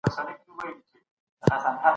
کابل د سیمه ییزو اقتصادي همکاریو څخه شا ته نه ځي.